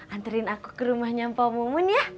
anterin aku ke rumahnya pak mumun ya